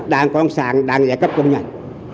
đang con sàng đang giải cấp công nhận